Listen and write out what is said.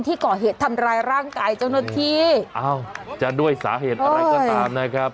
ก่อเหตุทำร้ายร่างกายเจ้าหน้าที่อ้าวจะด้วยสาเหตุอะไรก็ตามนะครับ